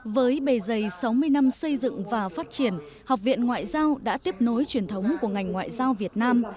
với bề dày sáu mươi năm xây dựng và phát triển học viện ngoại giao đã tiếp nối truyền thống của ngành ngoại giao việt nam